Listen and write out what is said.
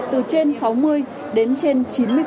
từ trên sáu mươi đến trên chín mươi